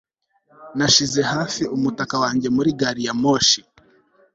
Nashize hafi umutaka wanjye muri gari ya moshi